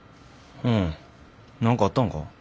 うん何かあったんか？